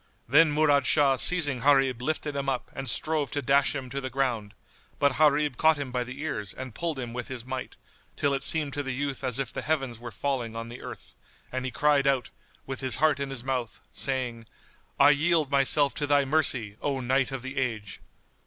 Then Murad Shah seizing Gharib lifted him up and strove to dash him to the ground; but Gharib caught him by the ears and pulled him with his might, till it seemed to the youth as if the heavens were falling on the earth[FN#78] and he cried out, with his heart in his mouth, saying, "I yield myself to thy mercy, O Knight of the Age!"